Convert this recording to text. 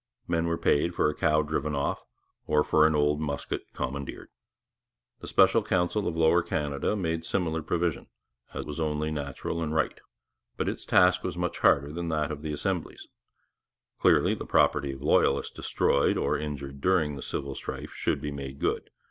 Men were paid for a cow driven off, or for an old musket commandeered. The Special Council of Lower Canada made similar provision, as was only natural and right; but its task was much harder than that of the Assembly's. Clearly, the property of loyalists destroyed or injured during the civil strife should be made good.